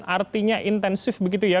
artinya intensif begitu ya